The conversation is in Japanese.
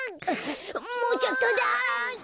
もうちょっとだ。